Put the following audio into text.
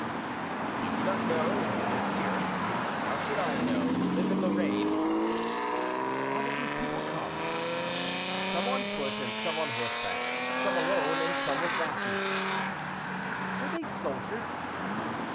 "If you do not know, who live here, how should I know, who live in Lorraine?" "How did these people come?" "Some on foot, some on horseback; some alone, and some with lackeys." "Were they soldiers?"